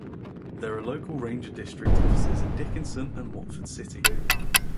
There are local ranger district offices in Dickinson and Watford City.